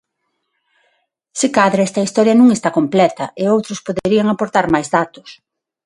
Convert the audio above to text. Se cadra esta historia non está completa, e outros poderían aportar máis datos.